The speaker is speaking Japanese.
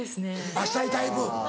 あっしたいタイプ。